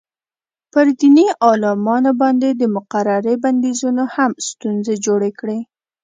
پر دیني عالمانو باندې د مقررې بندیزونو هم ستونزې جوړې کړې.